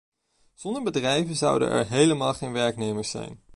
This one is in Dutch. Zonder bedrijven zouden er helemaal geen werknemers zijn.